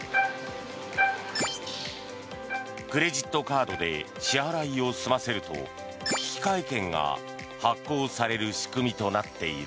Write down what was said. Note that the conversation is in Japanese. クレジットカードで支払いを済ませると引換券が発行される仕組みとなっている。